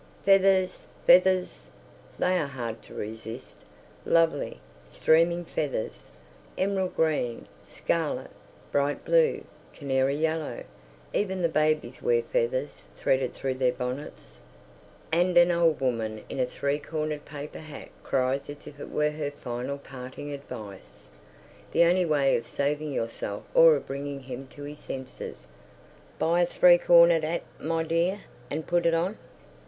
"Fevvers! Fevvers!" They are hard to resist. Lovely, streaming feathers, emerald green, scarlet, bright blue, canary yellow. Even the babies wear feathers threaded through their bonnets. And an old woman in a three cornered paper hat cries as if it were her final parting advice, the only way of saving yourself or of bringing him to his senses: "Buy a three cornered 'at, my dear, an' put it on!"